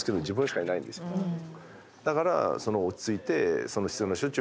だから。